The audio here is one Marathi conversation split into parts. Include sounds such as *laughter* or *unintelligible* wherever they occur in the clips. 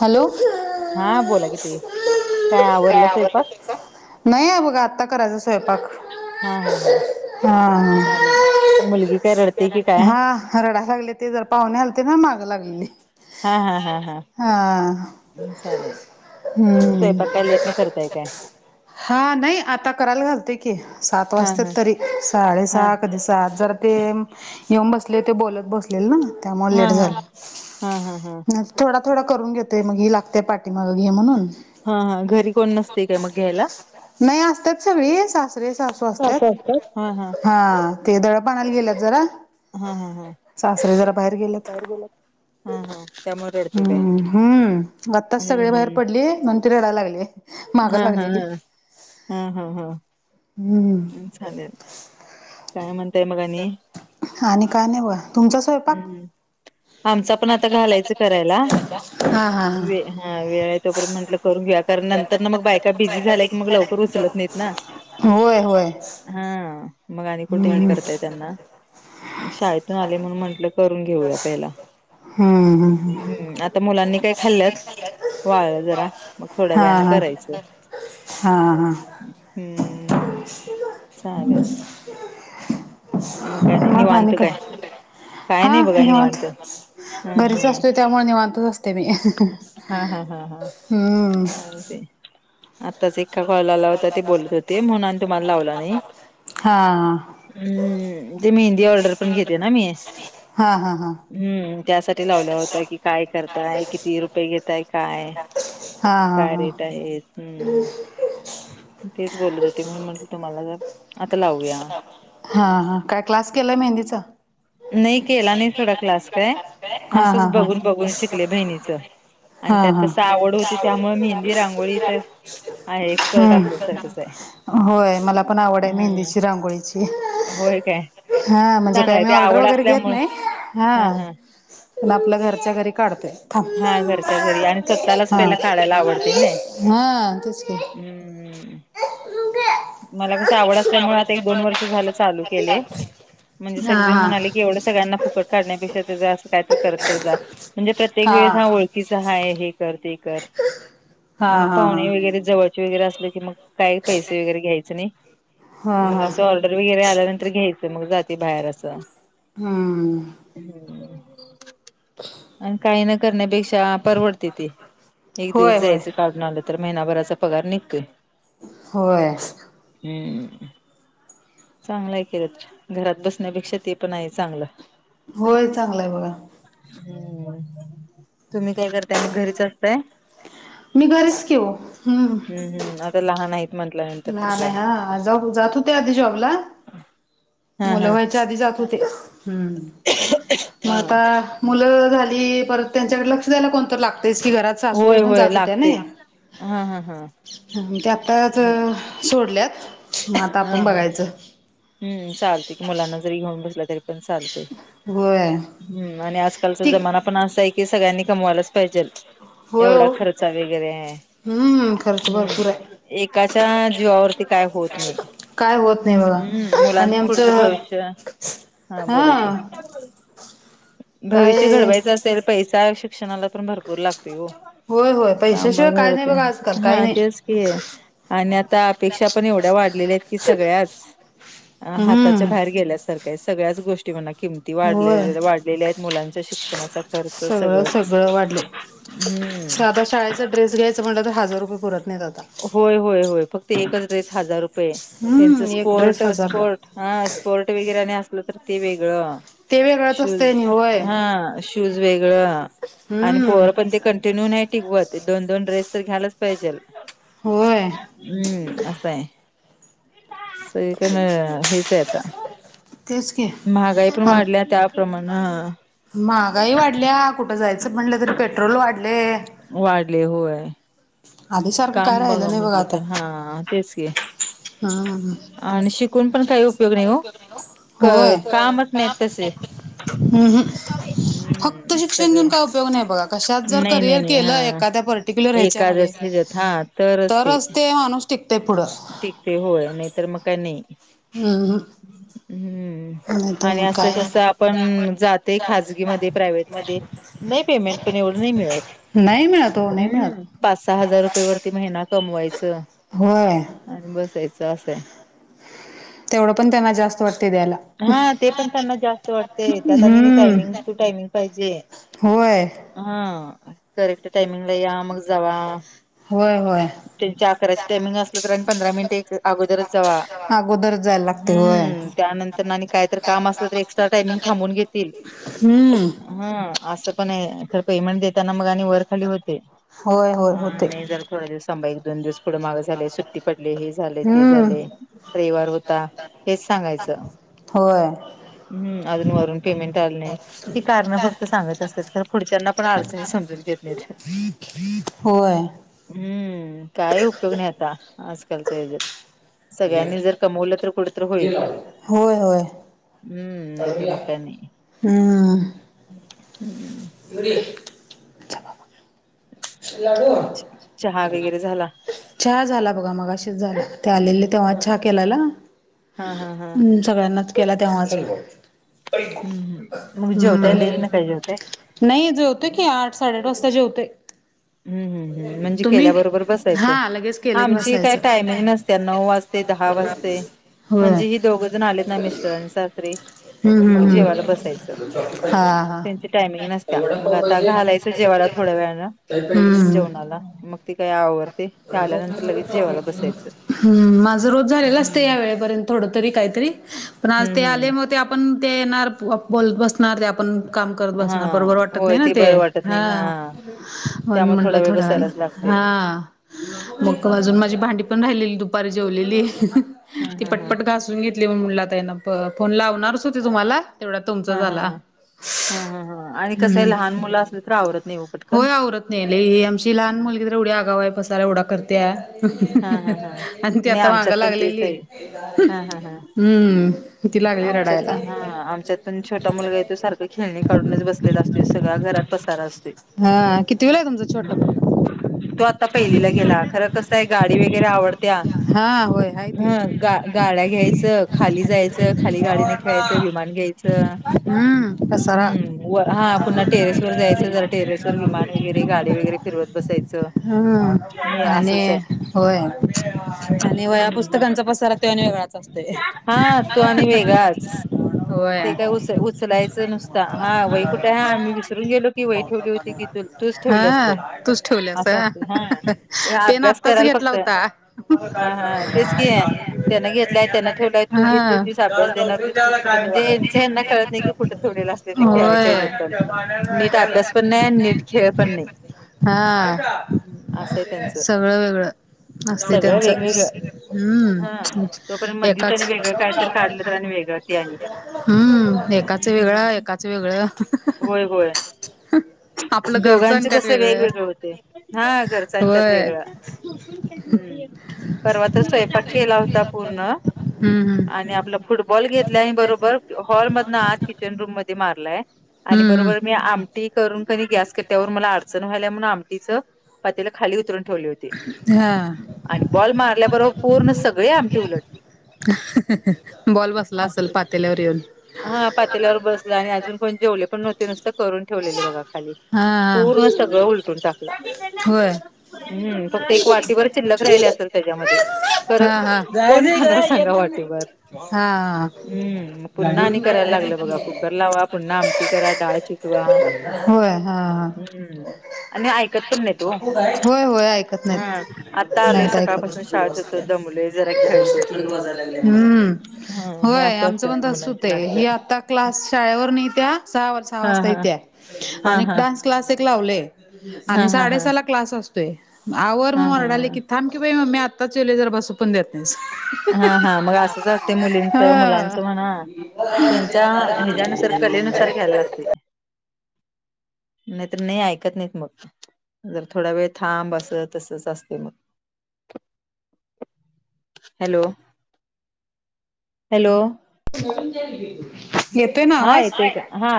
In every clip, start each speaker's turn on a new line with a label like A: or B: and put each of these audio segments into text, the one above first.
A: हॅलो.
B: हा बोला कि, ताई. काय आवरलं स्वयंपाक?
A: नाही आहे बघा, आत्ता करायचा स्वयंपाक.
B: हा.. हा.. हा, चालेल. मुलगी काय रडते की काय?
A: हा हा रडाय लागलेली. ते जरा पाहुणे आलते ना, मागं लागलेली.
B: हा.. हा.. हा.. हा.
A: हा
B: हम्म्, चालेल.
A: हम्म
B: स्वयपाक काय लेटनं करताय काय?
A: हा, नाही. आता करायला घालतोय की, सात
B: हा हा
A: वाजतात तरी
B: हा
A: साडेसहा कधी हा. जरा ते येऊन बसले होते, बोलत बसलेले ना. त्यामुळे
B: हा
A: लेट
B: हा
A: झाला
B: हा. हा. हा.
A: थोडा-थोडा करून घेतोय. मग ही लागते पाठीमागं, घे म्हणून.
B: हा हा, घरी कोण नसतंय काय मग घ्यायला?
A: नाही, असतात सगळे. सासरे, सासू असतात. हा ते दळप आणायला गेलंत जरा,
B: हा हा हा
A: सासरे जरा बाहेर गेलेत.
B: बाहेर गेल्यात हा हा त्यामुळं
A: हम्म.. हम्. आत्ताच, सगळे
B: हम्म
A: बाहेर पडली. म्हणून ती रडायला लागली.
B: हाहा हा, हाहा हा.
A: हम्म.
B: मग, चालेल. काय म्हणताय मग आणि
A: आणि काय नाई बुवा, तुमचा स्वयपाक?
B: हम्म आमचा पण आता घालायचं करायला.
A: हा हा हा.
B: वे हा वेळ हे, तोपर्यंत म्हटलं करून घेऊया. कारण नंतर ना, मग बायका बिझी झाल्या की, मग लवकर उचलत नाहीत ना.
A: होय, होय.
B: हा, मग आणि
A: हम्म
B: कुठे हे करताय त्यांना? शाळेतून आले. म्हणून म्हटलं, करून घेऊया पहिला.
A: हा.
B: हम्म, आता मुलांनी काय खाल्ल्यात? वाळलं जरा, मग थोड्या
A: हा
B: वेळानं
A: हा
B: करायचं.
A: हा.
B: हम्म, चालेल. काय आणि
A: मग आनी
B: निवांत
A: काय,
B: काय
A: हा
B: नाही बघा
A: निवांत.
B: हां,
A: घरीच
B: हां.
A: असतोय, त्यामुळं निवांतच असते मी.
B: हाहा, हाहा,
A: हम्म
B: चालतंय. आताच एका कॉल आला होता, ते बोलत होते म्हणून अन तुम्हाला लावला नाई.
A: हा
B: हम्म, ते मेहंदी ऑर्डर पण घेते ना मी.
A: हा हा हा.
B: हम्म, त्यासाठी लावला होता की, काय करताय, किती रुपये घेताय काय?
A: हा
B: काय
A: हा
B: रेट आहेत? हम्म, तेच बोलत होती, म्हणून म्हणलं तुम्हाला जरा, आता लावूया.
A: हा हा, काय क्लास केलाय मेंदीचा?
B: नाही केला नाही सोडा क्लास काय
A: हा
B: असंच
A: हा हा.
B: बघून बघून शिकले बहिणीचं आणि
A: हा
B: त्यात
A: हा,
B: कसं आवड होती त्यामुळे मेहंदी रांगोळी तर आहे एक्सपर्ट
A: हम्म.
B: असल्यासारखंच आहे
A: होय, मला पण आवड ए, मेहंदीची,
B: ह
A: रांगोळीची.
B: होय काय
A: हा, म्हणजे काही
B: चांगलंय
A: मी
B: ते
A: ऑर्डर
B: आवड
A: वगैरे घेत
B: असल्यामुळे
A: नाई, हा. पण आपलं, घरच्या घरी काढतोय. थांब
B: हा, घरच्या घरी आणि स्वतःलाच पहिला
A: हा
B: काढायला आवडतं नं.
A: हा, तेच की.
B: मला कसं आवड असल्यामुळं, आता एक दोन वर्ष झालं चालू केलंय. म्हणजे
A: हा
B: सगळे जण
A: हा
B: म्हणाले की, एवढं सगळ्यांना फुकट काढण्यापेक्षा, असं काय तर करत तर जा. म्हणजे प्रत्येक वेळेस हा होय तिचं हाय, हे कर ते कर,
A: हा
B: मग
A: हा हा
B: पाहुणे वगैरे जवळचे -चे वगैरे असले की मग काय? -चे वगैरे घ्यायचं नाई, मग
A: हा
B: असं ऑर्डर वगैरे आल्यानंतर घ्यायचं मग, जाते बाहेर असं.
A: हा.
B: हम्म, अण काही नं करण्यापेक्षा परवडतय ते, एक दिवस
A: होय होय
B: जायचं काढून आलं तर महिनाभराचा पगार निघतोय.
A: होय.
B: हम्म. चांगलं ए की *unintelligible* घरात बसण्यापेक्षा ते पण आहे चांगलं.
A: होय, चांगलं ए बगा.
B: हम्म तुम्ही काय करताय मग घरीच असताय?
A: मी घरीच की ओ हम्म.
B: हम हम अगं लहान आहेत. म्हटल्यानंतर तर
A: लहान
B: काय
A: आहे हा जात जात होते आधी जॉबला
B: हम
A: मुलं व्हायच्या आधी जात होते हम्म मग
B: हा
A: आता, मुलं झाली परत, त्यांच्याकडे लक्ष द्यायला कोणत लागतयस की घरात,
B: होय
A: सासूबाई पण
B: होय
A: जात होत्या ना
B: लागते हा हा हा
A: ह ते आत्ताच सोडल्यात. मग आता
B: हा
A: आपण
B: हा
A: बघायचं
B: हम्म चालते की मुलांना जरी घेऊन बसला तरी, पण चालते,
A: होय
B: हम्म आणि आजकालचा
A: ठीक
B: जमाना पण असा आहे की, कि सगळ्यांनी कमवायलाच पाहिजे.
A: होय
B: एवढा
A: हो
B: खर्चा वगैरे हाय
A: हम्म खर्च
B: हम्म.
A: भरपूर आहे
B: एकाच्या जीवावरती काय होत नाही,
A: काय होत नाही बघा
B: हम्म मुलांच
A: आणि
B: पुढचं
A: आमचं
B: भविष्य, हां बोला की.
A: हा काय
B: भविष्य घडवायचं असेल पैसा शिक्षणाला पण भरपूर लागतोय ओ.
A: होय होय
B: टांब
A: पैशाशिवाय काय नाही
B: करते
A: बघा आजकाल काही
B: हां
A: नाही
B: तेच आणि आता अपेक्षा पण एवढ्या वाढलेल्या आहेत की, सगळ्याच हाताच्या-
A: हम्म
B: बाहेर गेल्यासारख्या सगळ्याच गोष्टी म्हणा. किमती
A: होय
B: वाढले वाढलेल्या आहेत मुलांच्या शिक्षणाचा खर्च
A: सगळं
B: सगळंच.
A: सगळं वाढले
B: हम्म.
A: साधा शाळेचा ड्रेस घ्यायचा म्हटलं तर, हजार रुपये पररत नाही आता.
B: होय होय होय फक्त एकच ड्रेस हजार रुपये त्यांच
A: हम्म एक
B: स्पोर्ट
A: ड्रेस हजारला
B: स्पोर्ट. हा स्पोर्ट वगैरे नाही असलं तर ते वेगळं,
A: ते वेगळंच
B: शूज
A: असतंय नि होय
B: हा श- शुज वेगळ आणि
A: हम्म
B: पोर पण ते कंटिन्य नाही- टिकवत दोन दोन ड्रेस तर घ्यायलाच पाहिजेल.
A: होय.
B: हम्म असं आहे सगळीकडण हेच आहे आता.
A: तेच की
B: महागाई पण
A: आम
B: वाढल्या त्याप्रमाणे.
A: महागाई वाढल्या कुठं जायचं म्हणलं तरी पेट्रोल वाढले.
B: वाढले होय
A: आधीसारखं काय
B: काम
A: राहिलं
B: बघा म्हटलं तर हा तेच घ-
A: हा हा
B: आणि शिकून पण काही उपयोग नाही हो, कामच नाहीत तसे-
A: ह् फक्त
B: हम्म
A: शिक्षण
B: सगळे
A: घेऊन काय उपयोग नाही बघा, कशात जर
B: नाही नाही
A: करिअर
B: नाही
A: केलं
B: हा
A: एखाद्या पर्- *unintelligible* ह्याच्यामध्ये
B: एखादच ह्याच्यात हा
A: तरच ते माणूस टिकतय पुढं.
B: टिकतय होय नाहीतर मग काही नाही.
A: ह
B: हम्म आणि असं
A: काय
B: कसं आपण जाते खाजगी मध्ये प्रायव्हेट मध्ये- नाही पेमेंट पण एवढं नाही मिळत.
A: नाही मिळतं
B: हम्म पाच सहा हजार रुपये वरती महिना कमवायचा.
A: होय
B: आणि बसायचं असंतय.
A: तेवढं पण त्यांना जास्त वाटते द्यायला.
B: हा ते पण त्यांना जास्त वाटते, त्या
A: हम्म
B: टायमिंग टू टायमिंग पाहिजे.
A: होय
B: हा करेक्ट टायमिंगला या मग जावा.
A: होय होय.
B: त्यांचे अकराची टाइमिंग असलं तर आणि पंधरा मिनट इक अगोदरच जावा.
A: अगोदरच जायला लागते होय.
B: त्यांना आणि काही तर काम असलं तर एक्स्ट्रा टायमिंग थांबून घेतील.
A: हम्म
B: हा असं पण आहे, खर पेमेंट देताना मग आणि वर खाली होते.
A: होय होय
B: हा
A: होते
B: नाही, जरा थोड दिवस थांबा एक, दोन दिवस थोडं माग झालय, सुट्टी पडली, हे झाले, ते
A: हम्म
B: झाले, रविवार होता, हेच सांगायचं.
A: होय.
B: हम्म अजून वरून पेमेंट आल नाही ही कारणं फक्त सांगत असतात का, कारण पुढच्यांना पण अडचणी समजून घेत नाहीत.
A: होय.
B: हम्म काय उपयोग नाय आता आजकालच्या ह्यच्यात. सगळ्यांनी जर कमवलं तर कुड
A: होय होय.
B: हम्म नायतर मग काय
A: हम्म
B: नाय.
A: *unintelligible* *unintelligible*
B: चहा वगैरे झाला?
A: चहा झाला बघा, मगाशीच झाला. ते आलेले तेव्हा
B: हा
A: चहा केलेला?
B: हा हा हा
A: हुं सगळ्यांनाच केला तेव्हाच.
B: हम् मग
A: हम्म
B: जेवताय लेेट ना का जेवताय?
A: नाही जेवतो की आठ साडेआठ वाजता जेवतोय.
B: हम्म हम्म. हू म्हणजे
A: तुम्ही
B: केल्याबरोबर बसायचं?
A: हा लगेच केलं की
B: आमची काय
A: बसायचं
B: टायमिंग नसते नऊ वाजते, दहा वाजते
A: होय
B: म्हणजे ही दोघं जण आलेत ना मिस्टरनं सासरे
A: हम्म
B: मग
A: हम्म
B: जेवायला बसायचं.
A: हम्म हा हा
B: त्यांची टायमिंग नसत्या. मग आता घालाय च जेवायला थोड्या वेळानं.
A: *inaudible* हम्म.
B: जेवणाला, मग ती काही आवरते. ते आल्यानंतर लगेच जेवायला बसायचं.
A: हम् माझं रोज झालेल असतं
B: हम्म
A: या वेळेपर्यंत थोड तरी, काही तरी पण आज ते
B: हम्म
A: आले
B: हम्म
A: मग ते आप पण ते येणार बोलत बसणार ते आपण काम करत
B: हा
A: बसणार, बरोबर वाटत
B: होय
A: नाही ना ते?
B: बरं वाटत नाही ना
A: ह. म्हणून
B: त्यामुळे थोडा
A: म्हटलं
B: वेळ
A: थोड्या वेळान.
B: बसायलाच लागते.
A: हा मग
B: हम्म.
A: अजून माझी भांडी पण राहिलेली दुपारी जेवलेली.
B: हा
A: ती
B: हा हा
A: पटपट घास न घेतली *unintelligible* फोन लावणारच होती तुम्हांला तेवढ्यात
B: हा
A: तुमचाच
B: हा
A: आला.
B: हा हा हा आणि कसं आहे लहान मुलं असले तर आवरत नाही हो पटकन.
A: होय आवरत नाही लई ही आमची लहान मुलगी तर एवढी आगाव हाय, पसारा एवढा करत्या
B: हा हा हा
A: आता ती
B: नाही
A: आता मागं
B: आमच्यात पण तेच
A: लागलेली आहे.
B: हा हा हा
A: हम्म. ती लागली
B: आमच्यात
A: रडायला
B: पण ह. आमच्यात पण छोटा मुलगा आहे तो सारखं खेळणी काढूनच बसलेला असतोय. सगळा घरात पसारा असतोय.
A: हा कितवीला आहे तुमचा छोटा
B: हम
A: मुलगा
B: तो आता पहिलीला गेला खरं कसं आहे गाडी वैगेरे आवडत त्या
A: हा होय हाय ते
B: हम्म गा- गाड्या घ्यायचं, खाली जाय च खाली गाडीने खेळायचं. विमान घ्यायचं
A: हम्म पसारा
B: हम्म व हा पुन्हा टेरेस वर जायचं जरा टेरेस वर विमान वगैरे, गाडी वगैरे फिरवत बसायचं
A: हम्म
B: हे
A: आणि
B: असंच आहे
A: होय आणि वह्यां पुस्तकांचा पसारा तो आणि वेगळांच असतोय
B: हा तो आणि वेगळांचं
A: होय
B: ते कायं उंच उचलायचं नुसतां हां वही कुठं हां मी विसरूंन गेलो की वही ठेवली होती की तू तूच ठेवल्यास बघ
A: हां तूंचं ठेवलेस
B: असं असते हा
A: पेना
B: अभ्यास
A: आताचं
B: करायला
A: घेतलां
B: फक्त
A: होतां
B: हा हा तेच की त्यानं घेतलाय त्यानं ठेवलाय तू घेतली
A: हं
B: होतीस अभ्यास देणार होतीस
A: लां
B: तूच कुठे म्हणजे
A: कायं
B: यांच यांना कळत नाही की कुठं ठेवलेलं असते ते खेळायच्या ह्याच्यात
A: होयं *unintelligible*
B: पण नीट अभ्यास पण नाही आणि नीट खेळ पण नाही
A: हां
B: असं आहे त्यांचं
A: सगळं वेगळं असते
B: सगळं
A: त्यांचं
B: वेगवेगळं हा
A: हम्मं
B: तो पण मधी तरी
A: एकदाचं
B: वेगळं काय तर काढलं तर आणि वेगळं ते आणि
A: हम्मं एकाचं वेगळं एकाचं वेगळं
B: होयं होयं
A: हं
B: दोघांच कसं वेगवेगळे होते हां घरचां त्यांत
A: होय
B: वेगळं. हम्मं पर्वा तरं स्वयंपाक केलां होतां पूर्ण.
A: हम्म हम्म
B: आणि आपलां फुटबॉल घेतंला आणि बरोबर हॉलमधनं आंत किचन रूंम मध्यें मारलांय. आणि
A: हम्म
B: बरोबर मी आमटी. करूंन कधीं गॅस करं त्यांवर मलां अडचणं व्हांयला म्हणूंन आमटीचं पातीला खाली उतरूंन ठेवली होती.
A: हम्म
B: आणि बॉल मारल्यांबरोबर पूर्ण सगळें आमटी उलटले.
A: बॉल बसलां असेल पातेल्यांवर येऊंन.
B: हां पातेल्यांवर बसलां आणि अजूंन पणं जेवले पणं नव्हंती नुसतं करूंन ठेवलेले बघां खाली.
A: हा
B: पूर्ण सगळं उलटूंन टाकलं.
A: होयं
B: हम्मं फक्तं एक वाटीभर शिल्लंक राहिले असतील त्यांच्यामध्ये
A: हा
B: खरं कोणं खाणांर सांगा वाटतं ते वारं
A: हां
B: हम्मं मंग पुन्हां आणि करांयला लागलं बघां कुंकर लावां पुन्हां आमटी करां डाळं शिजवां वां
A: होयं हां हां
B: आणि ऐकत पण नाहीत ओ
A: होयं होयं ऐ. ते
B: हा आता
A: नाहीं
B: आलोय
A: नाहीं
B: सकाळपासून शाळेत होतो दमलोय जरा खेळतो की
A: हम्मं.
B: हा हे
A: होयं
B: असे
A: आमचं पणं
B: असतात
A: तसूं
B: मुलांची
A: ते ही
B: नाटकं
A: आंता क्लांस शाळेवरं नाहीेत्यां सहांज सहा
B: हा
A: वाजतां
B: हा
A: येत्यां.
B: हा
A: आणि
B: हा
A: डान्सं क्लास एक लावलेय
B: हा
A: आणि
B: हा हा
A: साडेसहा लां क्लांस असतोय.
B: हा
A: आवरतं वरडाले
B: हा
A: की थांब की बाई मी आत्ताचं येवले जरं बसं.
B: हां हां मंग असंच असते मुलींच
A: हा
B: मुलांचं म्हणां. त्यांच्या हच्या्ंयानुसारं कलेनुसारं घ्यायला लागते. नाहींतरं नाहीं ऐकतं नाहींत मंग जरं थोडां वेळं थांब असं तसंच असते मंग. Hello hello.
A: येतो नां
B: हा
A: आवांज
B: येतोय का हा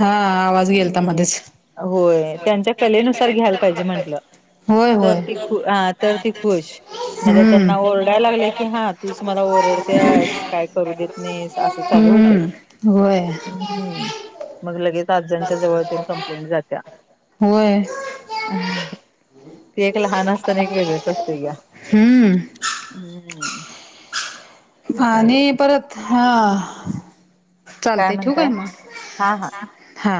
A: हां.
B: हम्मं होय त्यांच्या कलेनुसारं घ्यायंला पाहिजे म्हंटलं.
A: होय
B: तरं
A: होय
B: ती खुश हां तरं ती खुश. नाहींतर
A: हम्म
B: त्यांना ओरडांयला लागलं की हां तूंचमलां ओरडतेस कायं. करूं देतं असं चालूं होतेग
A: हम्म होय
B: लगेच. पातं जणांच्या जवळं कंप्लेंट जात्यां.
A: होयं.
B: ते एक लहांन असतांना एक वेगळेचं असते गं.
A: हम्म
B: हम्म.
A: पाणी
B: चालेल
A: परत, हा. चालतय ठू काय मग.
B: हा हा.
A: हा.